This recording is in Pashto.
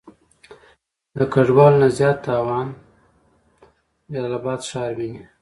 د ګډوالو نه زيات تاوان جلال آباد ښار وينئ.